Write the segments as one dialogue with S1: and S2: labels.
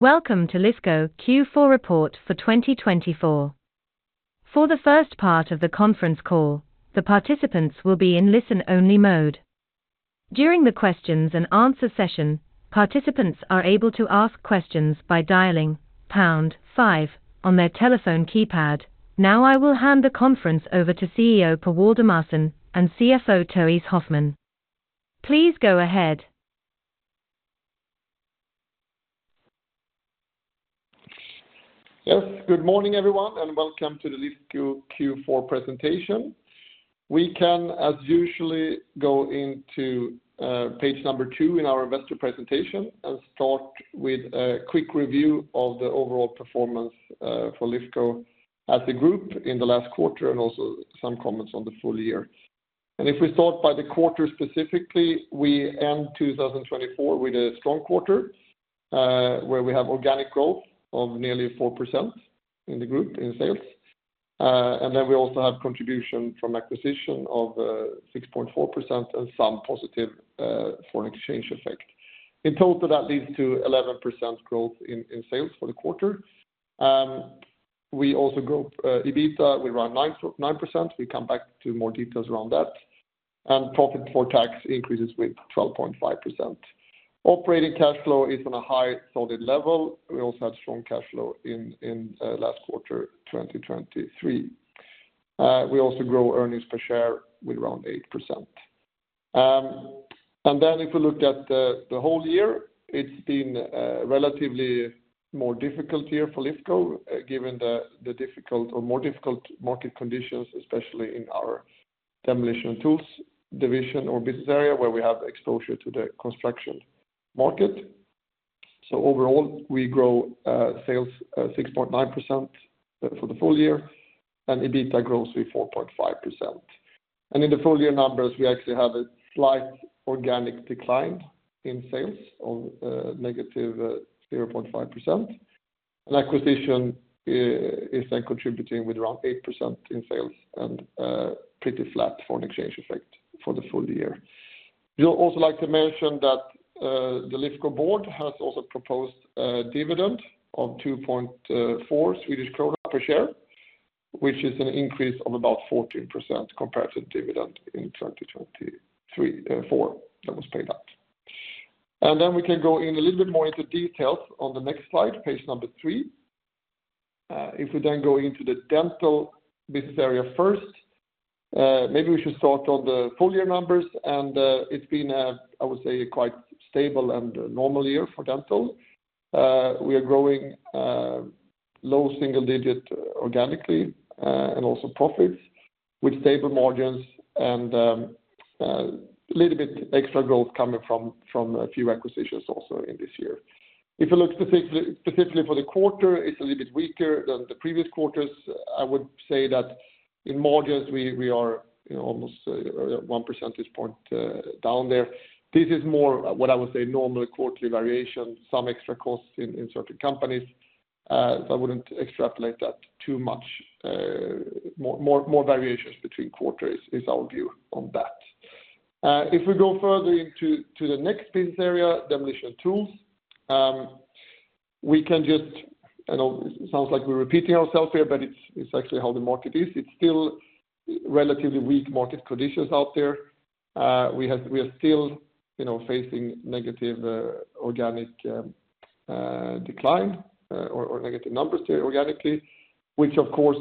S1: Welcome to Lifco Q4 Report for 2024. For the first part of the conference call, the participants will be in listen only mode. During the questions and answer session, participants are able to ask questions by dialing five on their telephone keypad. Now I will hand the conference over to CEO Per Waldemarson and CFO Therése Hoffman. Please go ahead.
S2: Yes, good morning everyone and welcome to the Lifco Q4 presentation. We can as usual go into page number two in our investor presentation and start with a quick review of the overall performance for Lifco as a group in the last quarter and also some comments on the full year. And if we start by the quarter specifically, we end 2024 with a strong quarter where we have organic growth of nearly 4% in the group in sales, and then we also have contribution from acquisition of 6.4% and some positive foreign exchange effect. In total that leads to 11% growth in sales for the quarter. We also grow EBITDA, we run 9%. We come back to more details around that and profit before tax increases with 12.5%. Operating cash flow is on a high, solid level. We also had strong cash flow in last quarter 2023. We also grow earnings per share with around 8%. And then if we look at the whole year, it's been relatively more difficult year for Lifco given the difficult or more difficult market conditions, especially in our Demolition & Tools division or business area where we have exposure to the construction market. So overall we grow sales 6.9% for the full year and EBITDA grows with 4.5%. And in the full year numbers we actually have a slight organic decline in sales of negative 0.5%. An acquisition is then contributing with around 8% in sales and pretty flat for an exchange effect for the full year. We'd also like to mention that the Lifco board has also proposed a dividend of 2.4 Swedish krona share which is an increase of about 14% compared to the dividend in 2024 that was paid out. And then we can go in a little bit more into details on the next slide, page number three. If we then go into the Dental business area first, maybe we should start on the full year numbers, and it's been, I would say, quite stable and normal year for Dental. We are growing low single digit organically and also profits with stable margins and a little bit extra growth coming from a few acquisitions also in this year. If you look specifically for the quarter, it's a little bit weaker than the previous quarters. I would say that in margins we are almost one percentage point down there. This is more what I would say, normal quarterly variation, some extra costs in certain companies. I wouldn't extrapolate that too much. More variations between quarters is our view on that. If we go further into the next business area, Demolition & Tools, we can just. I know it sounds like we're repeating ourselves here, but it's actually how the market is. It's still relatively weak market conditions out there. We are still facing negative organic decline or negative numbers organically, which of course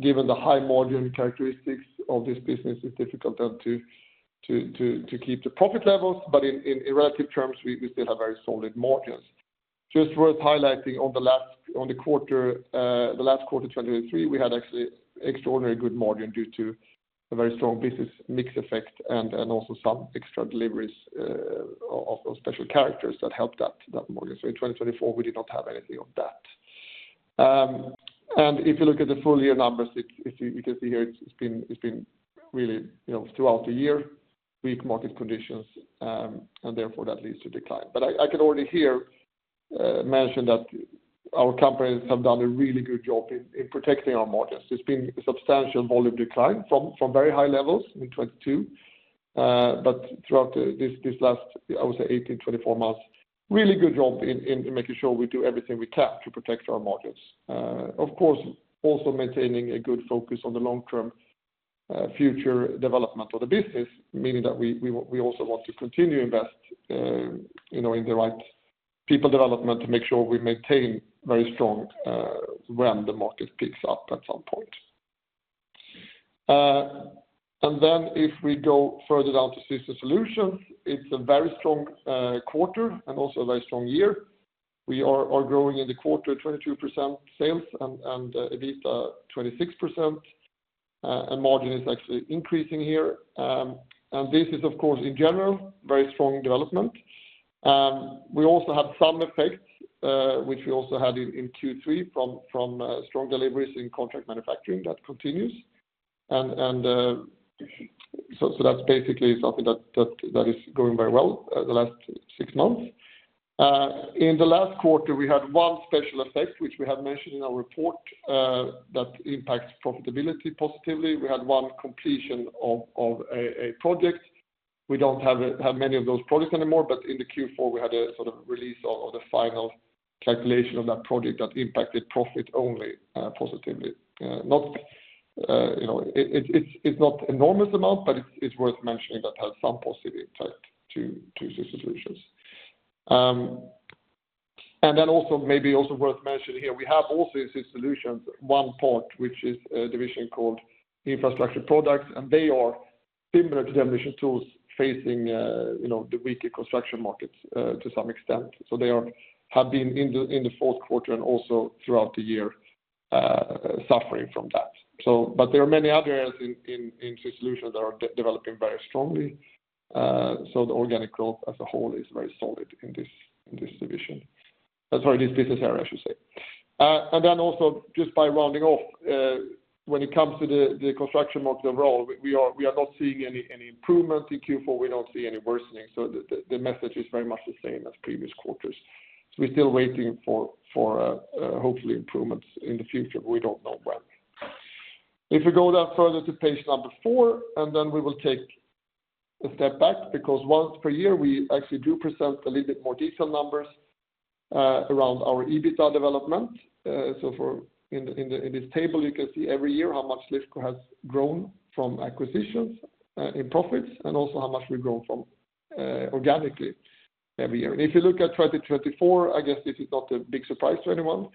S2: given the high margin characteristics of this business is difficult to keep the profit levels. But in relative terms we still have very solid margins. Just worth highlighting on the quarter, the last quarter 2023 we had actually extraordinary good margin due to a very strong business mix effect and also some extra deliveries of special products that helped that margin. So in 2024 we did not have anything on that. If you look at the full year numbers, you can see here it's been really, you know, throughout the year, weak market conditions and therefore that leads to decline. But I can already here mention that our companies have done a really good job in protecting our margins. There's been substantial volume decline from very high levels in 2022, but throughout this last, I would say, 18-24 months, really good job in making sure we do everything we can to protect our margins. Of course also maintaining a good focus on the long term future development of the business. Meaning that we also want to continue invest in the right people development to make sure we maintain very strong when the market picks up at some point. If we go further down to Systems Solutions, it's a very strong quarter and also a very strong year. We are growing in the quarter, 22% sales and at least 26%. And margin is actually increasing here. And this is of course in general very strong development. We also had some effects which we also had in Q3 from strong deliveries in Contract Manufacturing that continues. So that's basically something that is going very well the last six months. In the last quarter we had one special effect which we had mentioned in our report that impacts profitability positively. We had one completion of a project. We don't have many of those projects anymore. But in the Q4 we had a sort of release of the final calculation of that project that impacted profit only positively. It's not enormous amount, but it's worth mentioning that has some positive impact to Systems Solutions. And then also maybe also worth mentioning here we have also solutions. One part which is a division called Infrastructure Products and they are similar to the Demolition & Tools facing, you know, the weaker construction markets to some extent. So they have been in the fourth quarter and also throughout the year suffering from that. So but there are many others in solutions that are developing very strongly. So the organic growth as a whole is very solid in this division, sorry, this business area, I should say. And then also just by rounding off, when it comes to the construction market overall, we are not seeing any improvement in Q4. We don't see any worsening. So the message is very much the same as previous quarters. So we're still waiting for hopefully improvements in the future. We don't know when. If we go down further to page number four and then we will take a step back because once per year we actually do present a little bit more detailed numbers around our EBITDA development. So in this table you can see every year how much Lifco has grown from acquisitions in profits and also how much we've grown from organically every year. If you look at 2024, I guess this is not a big surprise to anyone.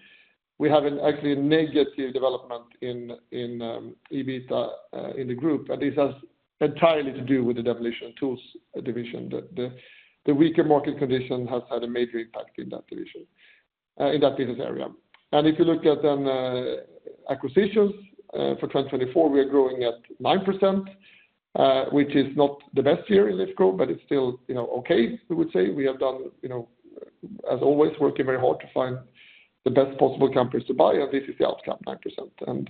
S2: We have actually a negative development in EBITDA in the group. And this has entirely to do with the Demolition & Tools division. The weaker market condition has had a major impact in that division in that business area. And if you look at acquisitions for 2024, we are growing at 9%, which is not the best year in Lifco, but it's still okay. We would say we have done as always, working very hard to find the best possible companies to buy. And this is the outcome, 9%. And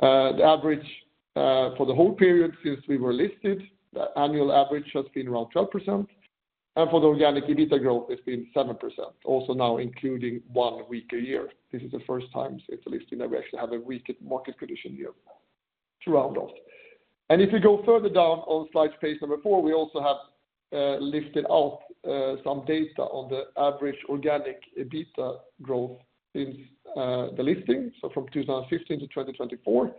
S2: the average for the whole period since we were listed, the annual average has been around 12%. And for the organic EBITDA growth it's been 7% also now, including one weak year. This is the first time since listing that we actually have a weaker market condition here. To round off and if you go further down on slide page number four, we also have lifted out some data on the average organic EBITDA growth since the listing. So from 2015 to 2024.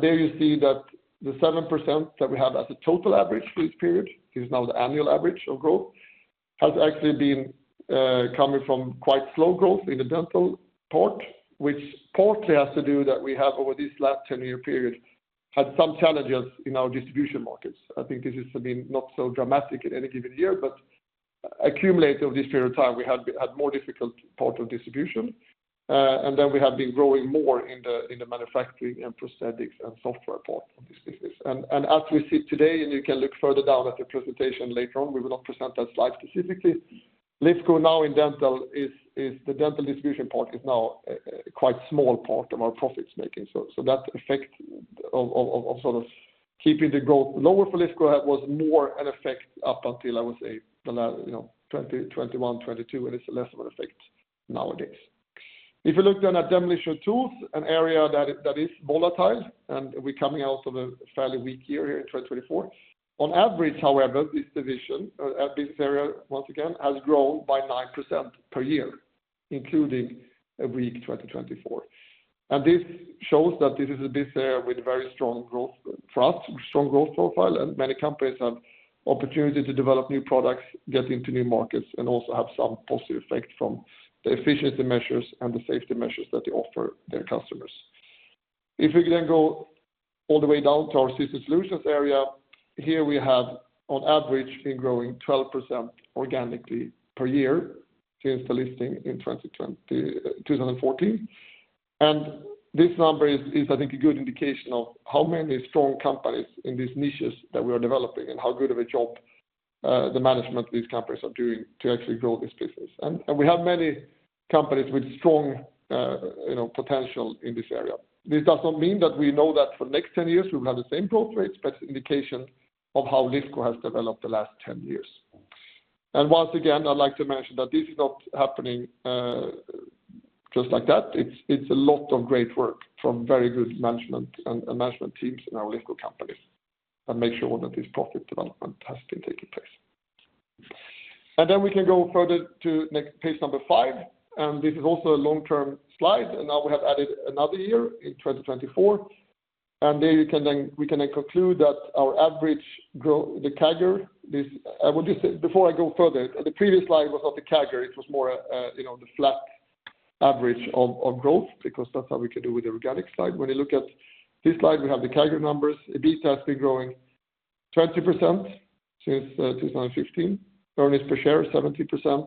S2: There you see that the 7% that we have as a total average this period is now the annual average of growth has actually been coming from quite slow growth in the Dental part, which partly has to do that. We have over this last 10-year period had some challenges in our distribution markets. I think this is not so dramatic in any given year, but accumulated over this period of time we had more difficult part of distribution and then we have been growing more in the manufacturing and prosthetics and software parts. And as we see today and you can look further down at the presentation later on. We will not present that slide specifically. Lifco now in Dental is the Dental distribution part is now quite small part of our profits making. That effect of sort of keeping the growth lower for Lifco was more an effect up until I would say 2021, 2022 and it's less of an effect nowadays if you look then at Demolition & Tools, an area that is volatile and we're coming out of a fairly weak year here in 2023 on average. However, this division once again has grown by 9% per year including a weak 2024. And this shows that this is a business with very strong growth for us, strong growth profile and many companies have opportunity to develop new products, get into new markets and also have some positive effect from the efficiency measures and the safety measures that they offer their customers. If we then go all the way down to our Systems Solutions area here we have on average been growing 12% organically per year since the listing in 2014. This number is I think a good indication of how many strong companies in these niches that we are developing and how good of a job the management of these companies are doing to actually grow this business. We have many companies with strong potential in this area. This does not mean that we know that for next 10 years we will have the same growth rates, but it's an indication of how Lifco has developed the last 10 years. Once again I'd like to mention that this is not happening just like that. It's a lot of great work from very good management and management teams in our Lifco companies and make sure that this profit development has been taking place. We can go further to page number five and this is also a long-term slide. And now we have added another year in 2024, and there we can conclude that our average CAGR. Before I go further, the previous slide was not the CAGR. It was more the flat average of growth because that's how we can do with the organic slide. When you look at this slide, we have the CAGR numbers. EBITDA has been growing 20% since 2015. Earnings per share 70%.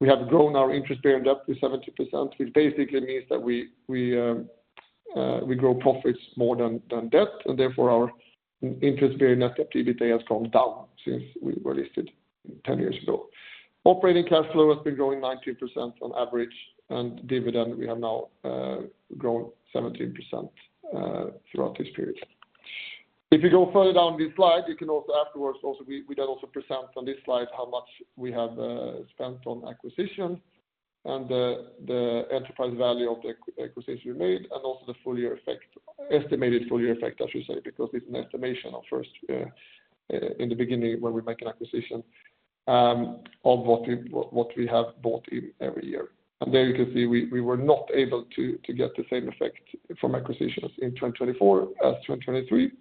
S2: We have grown our interest-bearing debt to 70%, which basically means that we grow profits more than debt and therefore our interest-bearing net debt to EBITDA has gone down since we were listed 10 years ago. Operating cash flow has been growing 19% on average, and dividend we have now grown 17% throughout this period. If you go further down this slide, you can also afterwards also we then also present on this slide how much we have spent on acquisition and the enterprise value of the acquisition we made, and also the full year effect, estimated full year effect, I should say, because it's an estimation of first in the beginning when we make an acquisition of what we have bought in every year, and there you can see we were not able to get the same effect from acquisitions in 2024 as 2023,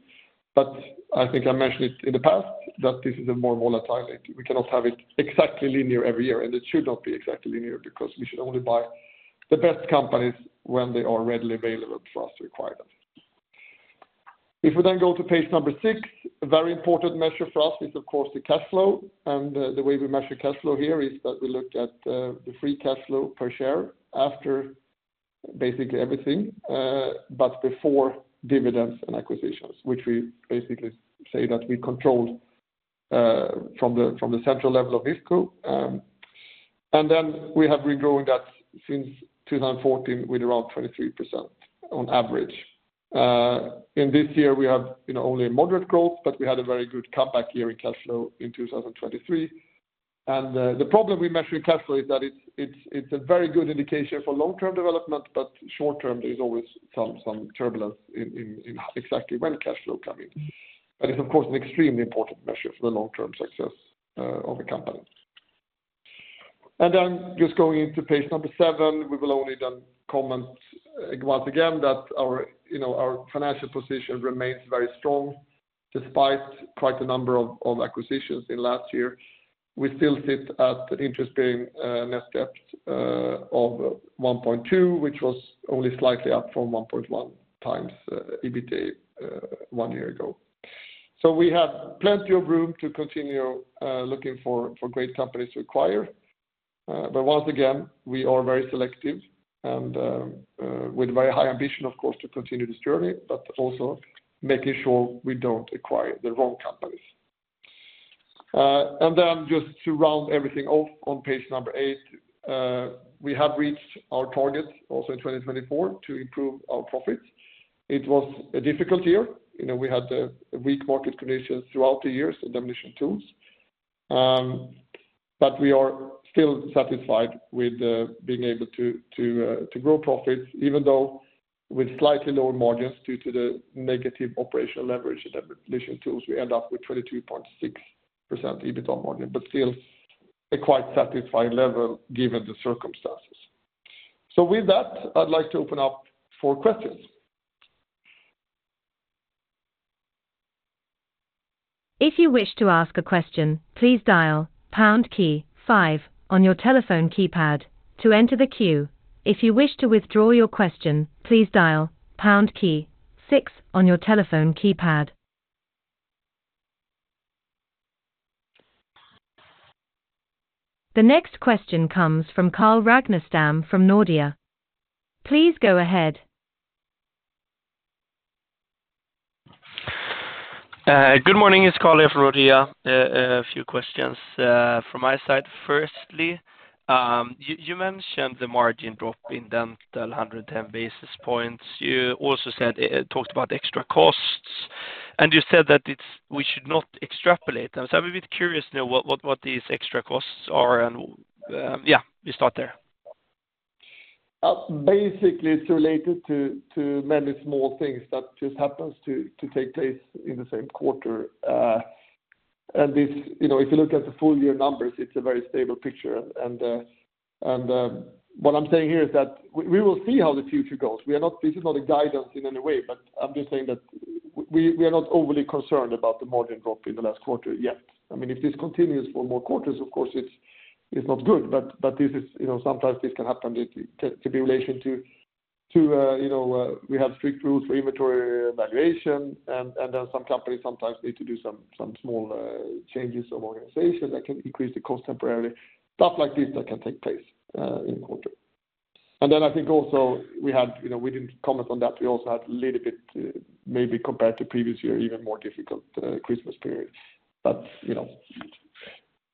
S2: but I think I mentioned it in the past that this is a more volatile. We cannot have it exactly linear every year, and it should not be exactly linear because we should only buy the best companies when they are readily available for us to acquire them. If we then go to page number six, a very important measure for us is of course the cash flow. The way we measure cash flow here is that we look at the free cash flow per share after basically everything, but before dividends and acquisitions, which we basically say that we control from the central level of Lifco. Then we have been growing that since 2014 with around 23% on average. In this year we have only a moderate growth, but we had a very good comeback year in cash flow in 2023. The beauty we measure in cash flow is that it's a very good indication for long-term development. Short term, there's always some turbulence in exactly when cash flow comes in. That is of course an extremely important measure for the long-term success of a company. Then just going into page number seven, we will only then comment once again that our financial position remains very strong. Despite quite a number of acquisitions in last year, we still sit at interest-bearing net debt of 1.2, which was only slightly up from 1.1 times EBITDA one year ago. So we have plenty of room to continue looking for great companies to acquire. But once again we are very selective and with very high ambition, of course to continue this journey, but also making sure we don't acquire the wrong companies. Then just to round everything off on page number eight, we have reached our target also in 2024, to improve our profits. It was a difficult year. You know, we had weak market conditions throughout the years of Demolition & Tools, but we are still satisfied with being able to grow profits, even though with slightly lower margins due to the negative operational leverage in Tools. We end up with 22.6% EBITDA margin, but still a quite satisfying level given the circumstances. So with that I'd like to open up for questions.
S1: If you wish to ask a question, please dial on your telephone keypad to enter the queue. If you wish to withdraw your question, please dial six on your telephone keypad. The next question comes from Carl Ragnerstam from Nordea. Please go ahead.
S3: Good morning, it's Carl from Nordea. A few questions from my side. Firstly, you mentioned the margin drop in Dental 110 basis points. You also talked about extra costs, and you said that we should not extrapolate. So, I'm a bit curious what these extra costs are, and yeah, you start there.
S2: Basically it's related to many small things that just happens to take place in the same quarter. And this, you know, if you look at the full year numbers, it's a very stable picture. And what I'm saying here is that we will see how the future goes. We are not, this is not a guidance in any way, but I'm just saying that we are not overly concerned about the margin drop in the last quarter yet. I mean if this continues for more quarters, of course it's not good. But this is, you know, sometimes this can happen. It could be relation to, you know, we have strict rules for inventory valuation and then some companies sometimes need to do some small changes that can increase the cost temporarily. Stuff like this that can take place in quarter. And then I think also we had, you know, we didn't comment on that. We also had a little bit maybe compared to previous year, even more difficult Christmas period. But you know,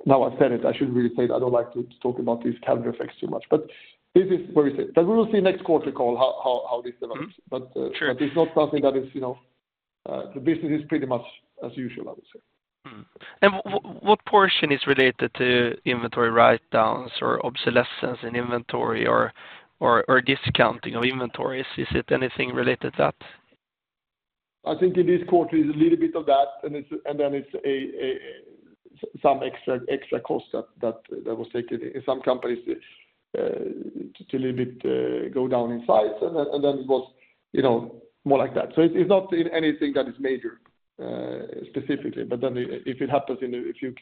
S2: now I've said it, I shouldn't really say. I don't like to talk about these calendar effects too much. But this is where we say that we will see next quarter call how this develops. But it's not something that is, you know, the business is pretty much as usual, I would say.
S3: What portion is related to inventory write-downs or obsolescence in inventory or discounting of inventories? Is it anything related to that?
S2: I think in this quarter is a little bit of that and then it's some extra cost that was taken. Some companies, a little bit, go down in size and then it was, you know, more like that. So it's not anything that is major specifically. But then if it happens in a few,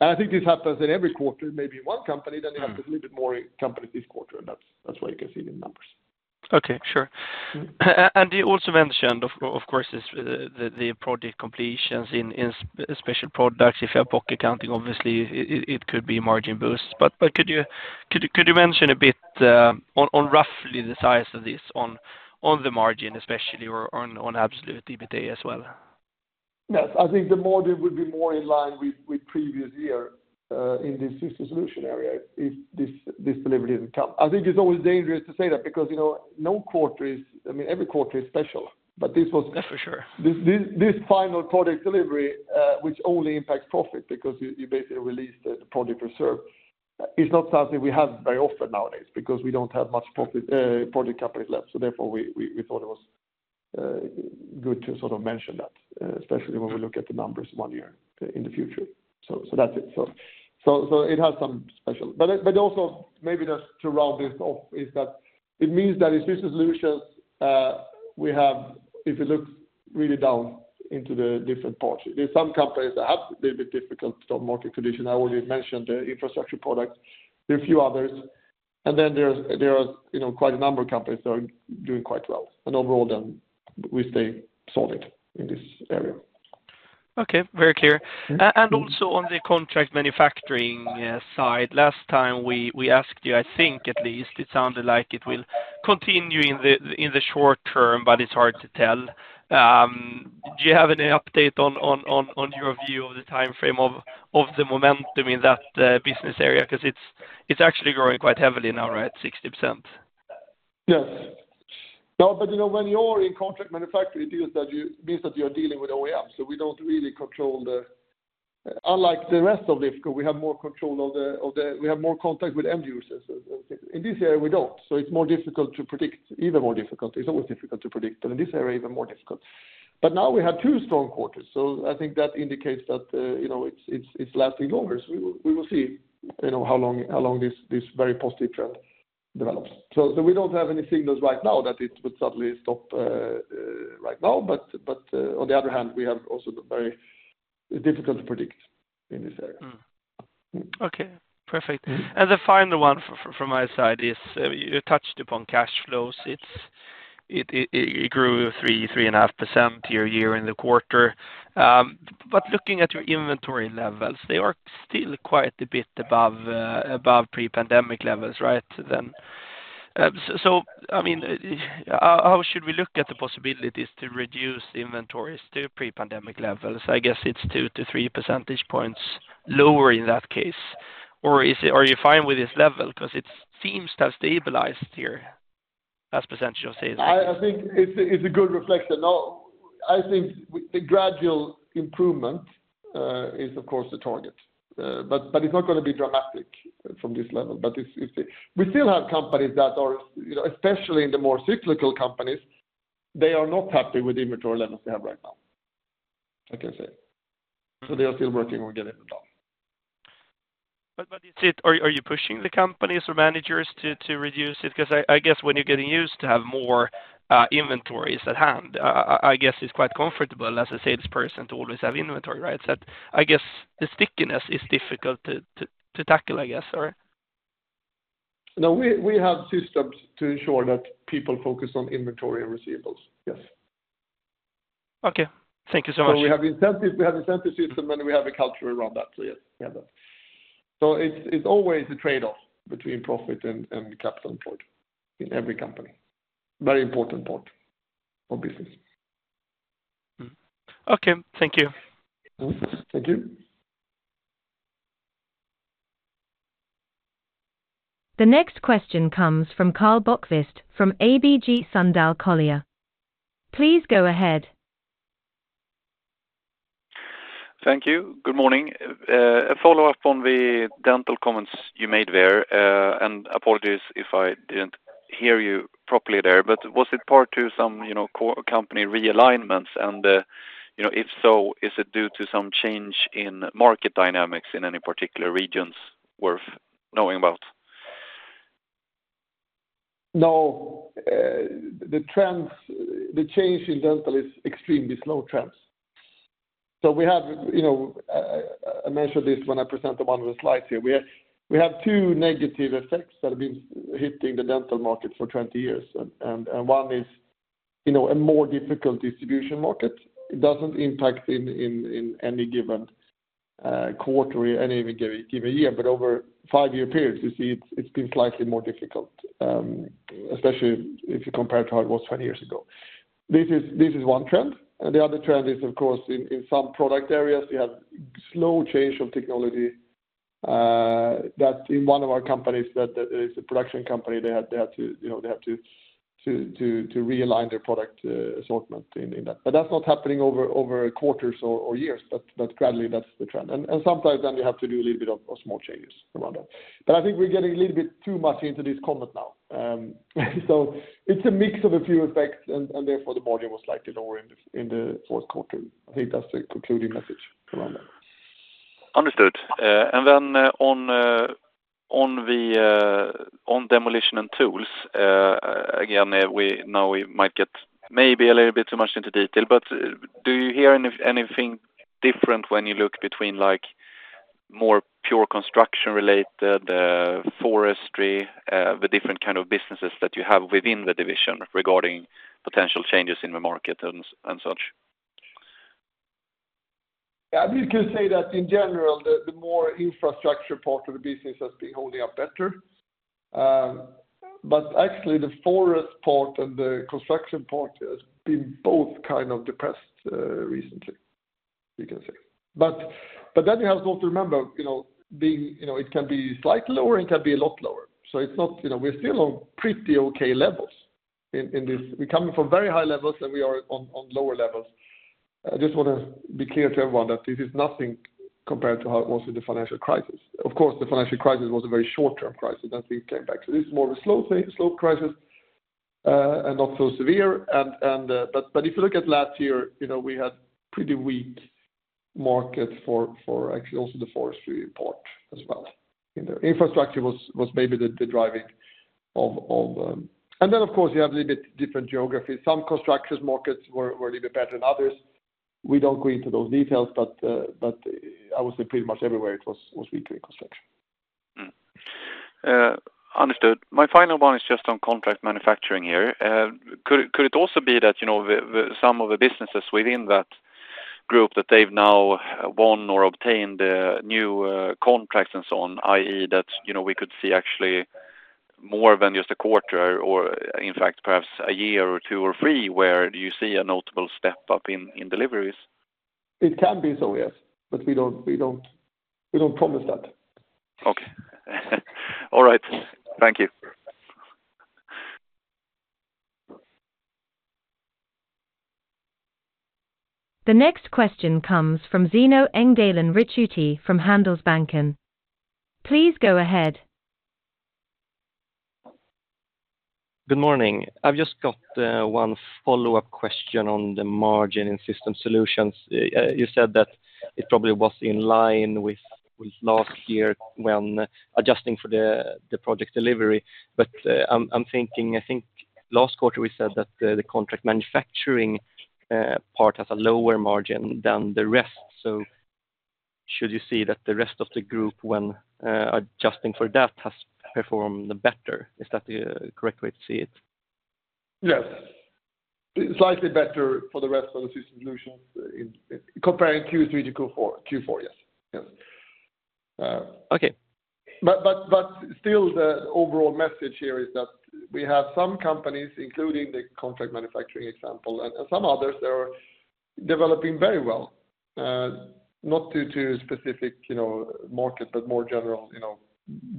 S2: and I think this happens in every quarter, maybe one company, then it happens a little bit, more companies this quarter and that's why you can see the numbers.
S3: Okay, sure. And you also mentioned of course the project completions in special products. If you have project counting, obviously it could be margin boosts but could you mention a bit on roughly the size of this on the margin especially or on absolute EBITDA as well?
S2: Yes, I think the model would be more in line with previous year in this Systems Solutions area, if this delivery doesn't come. I think it's always dangerous to say that because, you know, no quarter is, I mean every quarter is special. But this was this final product delivery which only impacts profit because you basically release the project reserve. It's not something we have very often nowadays because we don't have much project companies left. So therefore we thought it was good to sort of mention that especially when we look at the numbers one year in the future. So that's it. So it has some special. But also maybe just to round this off is that it means that in Systems Solutions we have. If you look really down into the different parts, there's some companies that have a little bit difficult market condition. I already mentioned the Infrastructure Products. There are a few others, and then there are quite a number of companies that are doing quite well, and overall we stay solid in this area.
S3: Okay, very clear. And also on the Contract Manufacturing side, last time we asked you, I think at least it sounded like it will continue in the short term, but it's hard to tell. Do you have any update on your view of the time frame of the momentum in that business area? Because it's actually growing quite heavily now, right? 60%.
S2: Yes. But you know, when you're in Contract Manufacturing, it means that you're dealing with OEM. So we don't really control the. Unlike the rest of Lifco, we have more control of the. We have more contact with end users. In this area we don't. So it's more difficult to predict. Even more difficult. It's always difficult to predict, but in this area, even more difficult. But now we have two strong quarters. So I think that indicates that, you know, it's lasting longer. So we will see how long this very positive trend develops. So we don't have any signals right now that it would suddenly stop right now. But on the other hand, we have also very difficult to predict in this area.
S3: Okay, perfect. And the final one from my side is you touched upon cash flows. It grew 3%-3.5% year in the quarter. But looking at your inventory levels, they are still quite a bit above pre levels. Right then. So I mean, how should we look at the possibilities to reduce inventories to pre-pandemic levels? I guess it's 2-3 percentage points lower in that case. Or are you fine with this level because it seems to have stabilized here as percentage of sales.
S2: I think it's a good reflection. I think the gradual improvement is of course the target, but it's not going to be dramatic from this level. But we still have companies that are, especially in the more cyclical companies, they are not happy with the inventory levels they have right now, I can say. So they are still working on getting them done.
S3: Are you pushing the companies or managers to reduce it? Because I guess when you're getting used to have more inventories at hand, I guess it's quite comfortable as a salesperson to always have inventory. Right. I guess the stickiness is difficult to tackle, I guess.
S2: Sorry. No, we have systems to ensure that people focus on inventory and receivables.
S3: Yes. Okay, thank you so much.
S2: We have incentives, we have incentive system and we have a culture around that. So yes, so it's always a trade-off between profit and capital employed in every company. Very important part for business.
S3: Okay, thank you.
S2: Thank you.
S1: The next question comes from Karl Bokvist from ABG Sundal Collier. Please go ahead.
S4: Thank you. Good morning. A follow up on the Dental comments you made there and apologies if I didn't hear you properly there, but was it part to some, you know, company realignments and you know, if so, is it due to some change in market dynamics in any particular regions worth knowing about?
S2: No, the trends, the change in Dental is extremely slow trends. So we have, you know I mentioned this when I presented one of the slides here. We have two negative effects that have been hitting the Dental market for 20 years. And one is, you know, a more difficult distribution market. It doesn't impact in any given quarterly and even give a year, but over five year periods you see it's been slightly more difficult especially if you compare to how it was 20 years ago. This is one trend. The other trend is, of course, in some product areas you have slow change of technology. In one of our companies, that is a production company, they have to realign their product assortment, but that's not happening over quarters or years, but gradually. That's the trend, and sometimes then you have to do these bit of small changes around that. I think we're getting a little bit too much into this comment now. It's a mix of a few effects, and therefore the margin was slightly lower in the fourth quarter. I think that's the concluding message.
S4: Understood. And then on Demolition and Tools again, now we might get maybe a little bit too much into detail, but do you hear anything different when you look between like more pure construction related forestry, the different kind of businesses that you have within the division regarding potential changes in the market and such?
S2: In general, the more infrastructure part of the business has been holding up better, but actually the forest part and the construction part been both kind of depressed recently, you can say, but then you have to remember, you know, being, you know, it can be slightly lower, it can be a lot lower, so it's not, you know, we're still on pretty okay levels in this. We come from very high levels and we are on lower levels. I just want to be clear to everyone that this is nothing compared to how it was in the financial crisis. Of course, the financial crisis was a very short-term crisis. Nothing came back. So this is more of a slow crisis and not so severe. But if you look at last year, we had pretty weak market for actually also the forestry part as well. Infrastructure was maybe the driving. And then of course you have a little bit different geography. Some construction markets were a little bit better than others. We don't go into those details, but I would say pretty much everywhere it was weaker in construction.
S4: Understood. My final one is just on Contract Manufacturing here. Could it also be that some of the businesses within that group that they've now won or obtained new contracts and so on, that is that we could see actually more than just a quarter or in fact perhaps a year or two or three where you see a notable step up in deliveries?
S2: It can be so, yes, but we don't promise that.
S4: Okay. All right, thank you.
S1: The next question comes from Zino Engdalen Ricciuti from Handelsbanken. Please go ahead.
S5: Good morning. I've just got one follow up question. On the margin in Systems Solutions. You said that it probably was in line with last year when adjusting for the project delivery. But I'm thinking, I think last quarter we said that the Contract Manufacturing part has a lower margin than the rest. So should you see that the rest. Of the group, when adjusting for that. Has performed better, is that the correct way to see it?
S2: Yes, slightly better for the rest of the Systems Solutions, comparing Q3 to Q4. Yes.
S5: Okay.
S2: But still the overall message here is that we have some companies, including the Contract Manufacturing example, and some others are developing very well, not due to specific, you know, market, but more general, you know,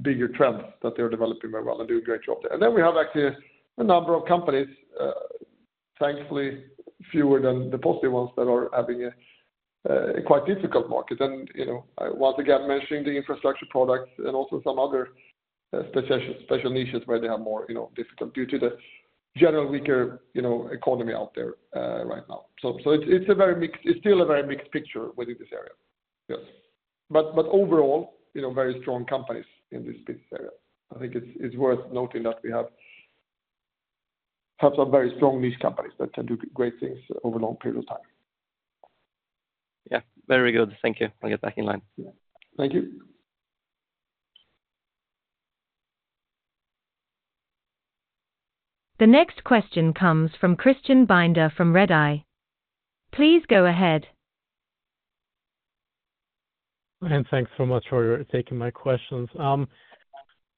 S2: bigger trends that they're developing very well and do a great job there. And then we have actually a number of companies, thankfully fewer than the positive ones that are having a quite difficult market. And you know, once again mentioning the Infrastructure Products and also some other special niches where they are more, you know, difficult due to the general weaker, you know, economy out there right now. So it's a very mixed. It's still a very mixed picture within this area. But overall, you know, very strong companies in this picture. I think it's worth noting that we have some very strong niche companies that can do great things over a long period of time.
S5: Yeah, very good. Thank you. I'll get back in line.
S2: Thank you.
S1: The next question comes from Christian Binder from Redeye. Please go ahead.
S6: Thanks so much for taking my questions.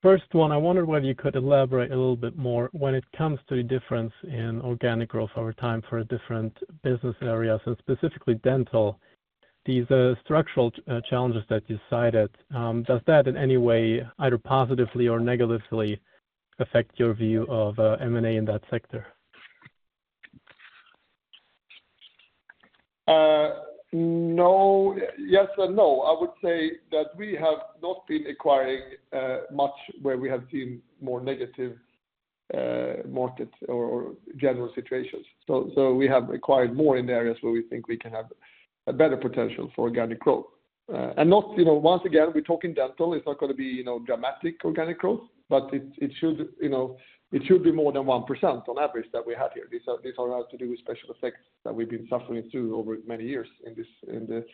S6: First one, I wonder whether you could elaborate a little bit more when it comes to a difference in organic growth over time for different business areas, and specifically Dental, these structural challenges that you cited, does that in any way either positively or negatively affect your view of M&A in that sector?
S2: No. Yes and no. I would say that we have not been acquiring much where we have seen more negative market or general situations. So we have acquired more in areas where we think we can have a better potential for organic growth and not, you know, once again, we're talking Dental. It's not going to be, you know, dramatic organic growth, but it should, you know, it should be more than 1% on average that we have here. These are all to do with special effects that we've been suffering through over many years, especially in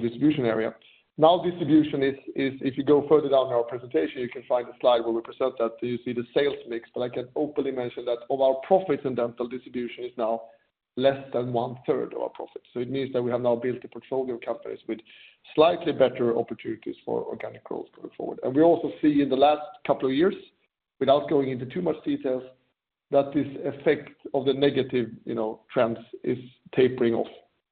S2: the distribution area. Now, distribution is. If you go further down our presentation, you can find a slide where we present that you see the sales mix. But I can openly mention that of our profits in Dental, distribution is now less than one third of our profits. So it means that we have now built the portfolio companies with slightly better opportunities for organic growth. And we also see in the last couple of years, without going into too much details, that this effect of the negative trends is tapering off.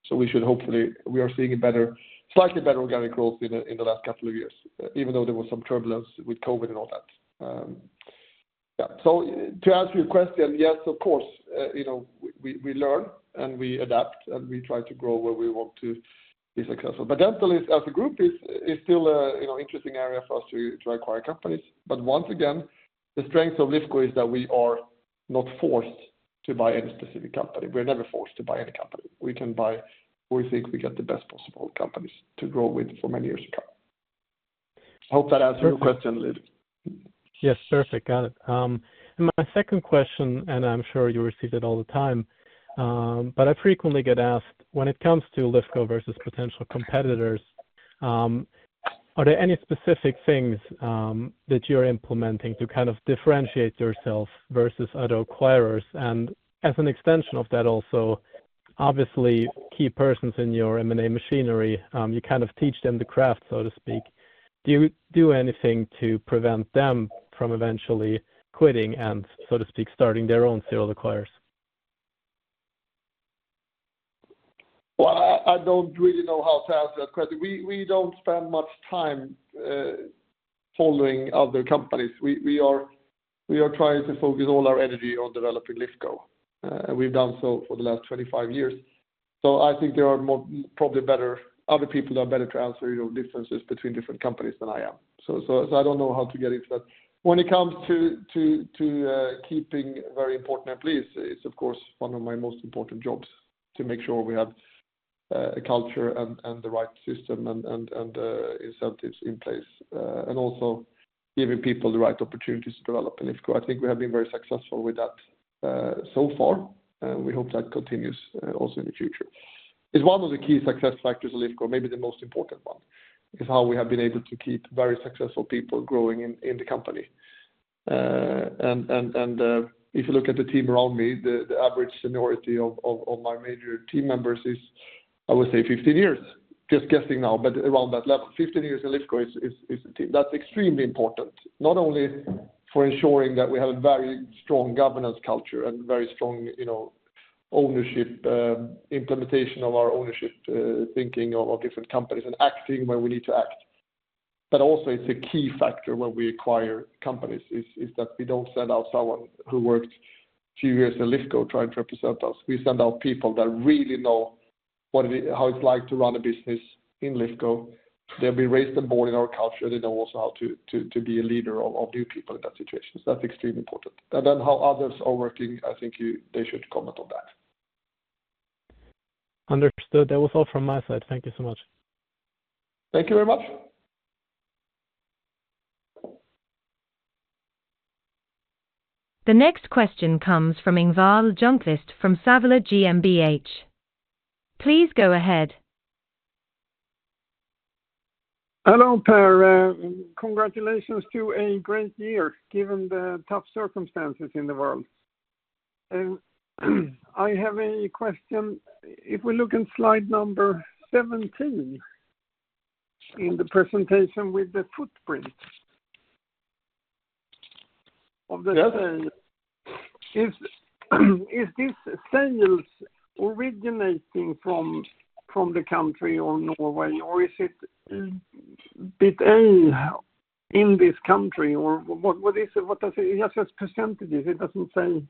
S2: So we should, hopefully we are seeing a better, slightly better organic growth in the last couple of years, even though there was some turbulence with COVID and all that. So to answer your question, yes, of course, you know, we learn and we adapt and we try to grow where we want to. But Dental as a group is still an interesting area for us to acquire companies. But once again, the strength of Lifco is that we are not forced to buy any specific company. We're never forced to buy any company we can buy. We think we get the best possible companies to grow with for many years to come. Hope that answered your question, Liv.
S6: Yes, perfect. Got it. My second question, and I'm sure you receive it all the time, but I frequently get asked, when it comes to Lifco versus potential competitors, are there any specific things that you're implementing to kind of differentiate yourself versus other acquirers? And as an extension of that, also obviously key persons in your M&A machinery, you kind of teach them the craft, so to speak. Do you do anything to prevent them from eventually quitting and, so to speak, starting their own serial acquirers?
S2: Well, I don't really know how to answer that question. We don't spend much time following other companies. We are trying to focus all our energy on developing Lifco. We've done so for the last 25 years. So I think there are probably better. Other people are better to answer differences between different companies than I am. So I don't know how to get into that. When it comes to keeping very important employees, it's of course one of my most important jobs to make sure we have a culture and the right system and incentives in place and also giving people the right opportunities to develop. In Lifco, I think we have been very successful with that so far. We hope that continues also in the future. It's one of the key success factors of Lifco. Maybe the most important one is how we have been able to keep very successful people growing in the company, and if you look at the team around me, the average seniority of my major team members is I would say 15 years. Just guessing now, but around that level, 15 years in Lifco is the team that's extremely important not only for ensuring that we have a very strong governance culture and very strong ownership, implementation of our ownership, thinking of different companies and acting when we need to act, but also it's a key factor when we acquire companies, is that we don't send out someone who worked a few years at Lifco trying to represent us. We send out people that really know how it's like to run a business in Lifco. They'll be raised and born in our culture. They know also how to be a leader of new people in that situation. That's extremely important, and then how others are working, I think they should comment on that.
S6: Understood. That was all from my side. Thank you so much.
S2: Thank you very much.
S1: The next question comes from Ingvar Ljungqvist from Lifco AB. Please go ahead.
S7: Hello, Per. Congratulations to a great year. Given the tough circumstances in the world. I have a question. If we look in slide number 17 in the presentation with the footprint of the. Is this sales originating from the country or Norway or is it in this country or what is it? What does it percentages? It doesn't say.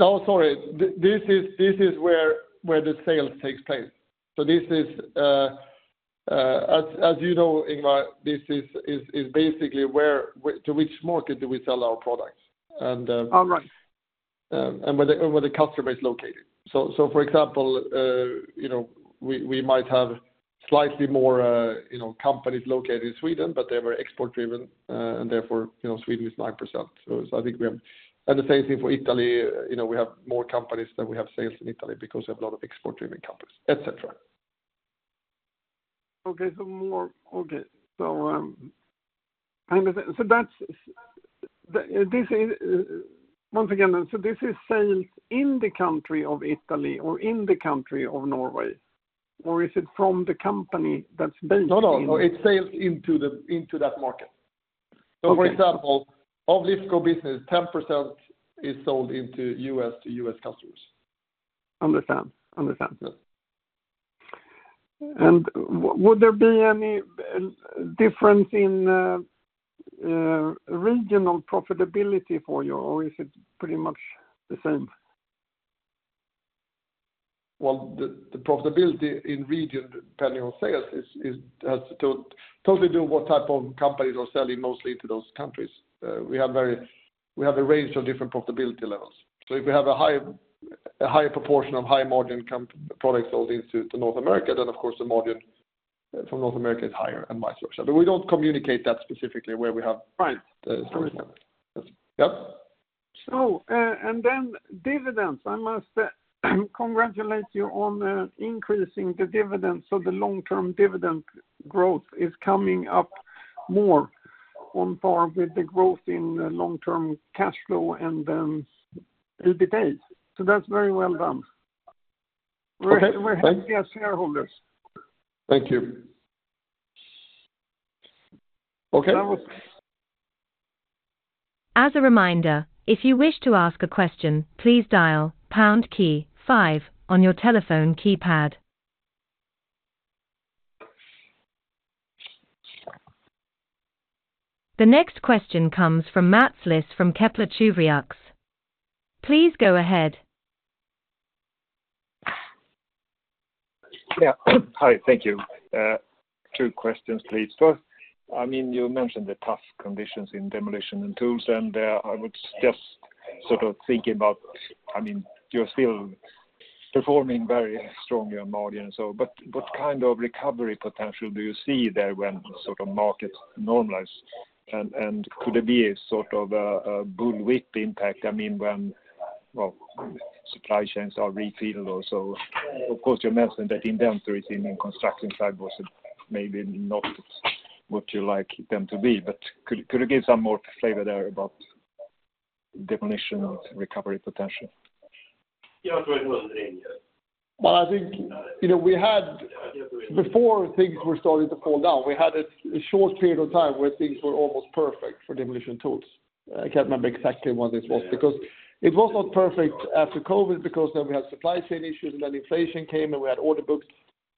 S2: Oh, sorry. This is where the sales takes place. So this is as you know, Ingvar, this is basically to which market do we sell our products and where the customer is located. So for example, we might have slightly more companies located in Sweden, but they were export driven and therefore Sweden is like percentage. So I think we have the same thing for Italy. You know, we have more companies than we have sales in Italy because we have a lot of export driven companies, etc.
S7: Okay, so more. Okay, so that's. This is once again sales in the country of Italy or in the country of Norway or is it from the company that's based in.
S2: It sales into the into that market. So for example of Lifco business, 10% is sold into the U.S., to U.S. customers.
S7: Understand? And would there be any difference in regional profitability for you or is it pretty much the same?
S2: Well, the profitability in region depending on sales has to do with what type of companies are selling mostly into those countries? We have a range of different profitability levels. So if we have a higher proportion of high margin products sold into North America, then of course the margin from North America is higher and vice versa. But we don't communicate that specifically where we have
S7: so and then dividends. I must congratulate you on increasing the dividend. So the long term dividend growth is coming up more on par with the growth in long term cash flow and EBITDA. So that's very well done.
S2: Thank you. Okay.
S1: As a reminder, if you wish to ask a question, please dial on your telephone keypad. The next question comes from Mats Liss from Kepler Cheuvreux, please go ahead.
S8: Hi, thank you. Two questions, please. First, I mean, you mentioned the tough conditions in Demolition and Tools, and I would suggest sort of thinking about. I mean, you're still performing very strongly on margin, so. But what kind of recovery potential do you see there when sort of market normalize, and could it be a sort of bullwhip impact? I mean when. Well, supply chains are refilled. Also, of course, you mentioned that in the industry and construction side was maybe not what you like them to be, but could you give some more flavor there about Demolition recovery potential?
S2: Well, I think, you know, we had before things were starting to fall down. We had a short period of time where things were almost perfect for Demolition & Tools. I can't remember exactly what this was because it was not perfect after COVID because then we had supply chain issues and then inflation came and we had order books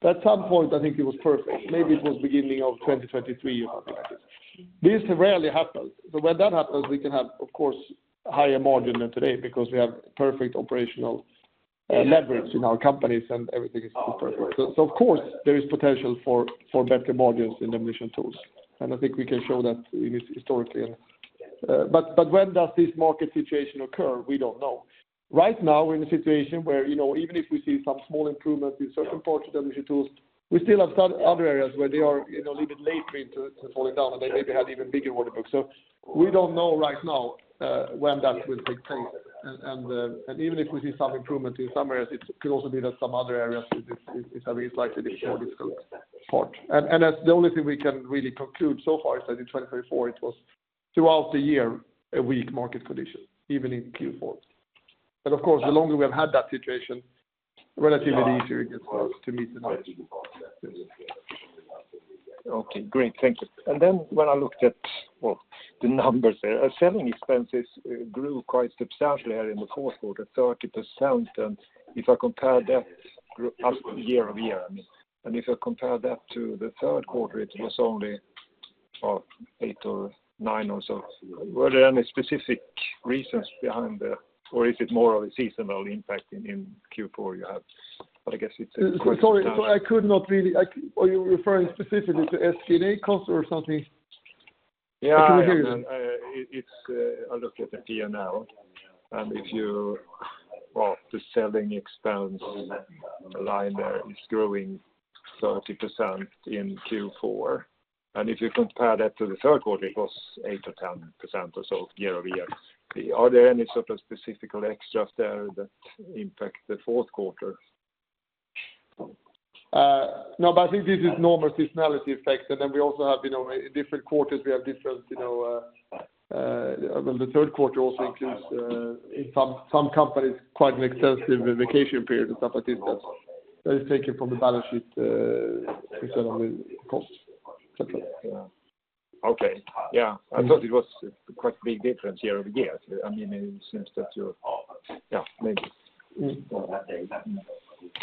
S2: at some point. I think it was perfect. Maybe it was beginning of 2023 or something like this. This rarely happens. So when that happens, we can have, of course, higher margin than today because we have perfect operational leverage in our companies and everything is perfect. So, of course there is potential for better margins in the Demolition & Tools, and I think we can show that historically. But when does this market situation occur? We don't know. Right now, we're in a situation where even if we see some small improvement in certain portions that we do, we still have other areas where they are a little bit late to falling down and they maybe had even bigger order books. So we don't know right now when that will take place. And even if we see some improvement in some areas, it could also be that some other areas is having a slightly more difficult patch. And that's the only thing we can really conclude so far is that in 2024 it was throughout the year a weak market conditions, even in Q4. But of course, the longer we have had that situation, relatively easier to meet the number. Okay, great, thank you. And then when I looked at the numbers there, selling expenses grew quite substantially in the fourth quarter. 30%, if I compare that year-over-year, and if I compare that to the third quarter, it was only 8% or 9% or so.
S8: Were there any specific reasons behind that? Or is it more of a seasonal impact in Q4 that you have? I guess it's.
S2: Sorry, I could not really. Are you referring specifically to SG&A cost or something?
S8: Yeah, it's. I look at the P&L, and if you. Well, the selling expense line there is growing 30% in Q4, and if you compare that to the third quarter, it was 8% or 10% or so year-over-year. Are there any sort of specific extras there that impact the fourth quarter?
S2: No, but I think this is normal seasonality effect. And then we also have, you know, in different quarters, we have different. You know, the third quarter also includes some companies, quite an extensive vacation period and stuff like this. That is taken from the balance sheet.
S8: Okay. Yeah, I thought it was quite a big difference here over here. I mean, it seems that you're. Yeah, maybe.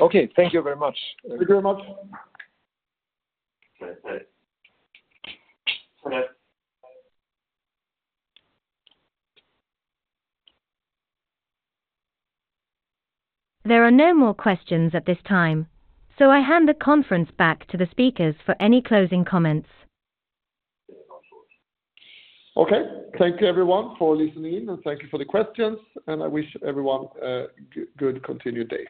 S2: Okay, thank you very much.
S8: Thank you very much.
S1: There are no more questions at this time, so I hand the conference back to the speakers for any closing comments.
S2: Okay, thank you everyone for listening and thank you for the questions and I wish everyone a good continued day.